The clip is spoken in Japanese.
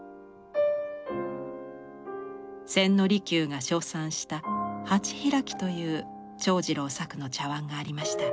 千利休が称賛した「鉢開」という長次郎作の茶碗がありました。